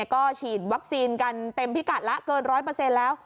ก็ฉีดวัคซีนกันเต็มพิกัดแล้วเกิน๑๐๐แล้ว